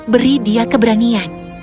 beri dia keberanian